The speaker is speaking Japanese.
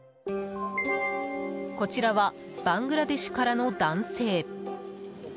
こちらはバングラデシュからの男性。